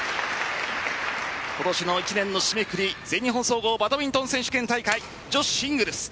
今年の１年の締めくくり全日本総合バドミントン選手権大会女子シングルス